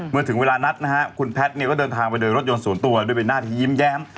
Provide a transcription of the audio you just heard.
เมื่อถึงเวลานัดนะฮะคุณแพทย์เนี่ยก็เดินทางไปโดยรถยนต์ส่วนตัวด้วยเป็นหน้าที่ยิ้มแย้ม